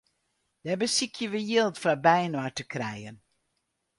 Dêr besykje we jild foar byinoar te krijen.